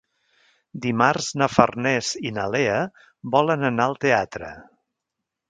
Dimarts na Farners i na Lea volen anar al teatre.